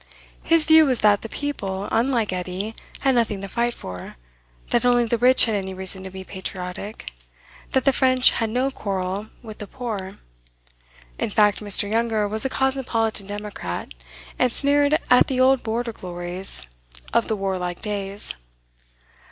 His view was that the people, unlike Edie, had nothing to fight for, that only the rich had any reason to be patriotic, that the French had no quarrel with the poor. In fact, Mr. Younger was a cosmopolitan democrat, and sneered at the old Border glories of the warlike days.